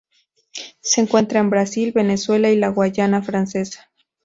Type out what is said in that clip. Se encuentra en Brasil, Venezuela y la Guayana Francesa.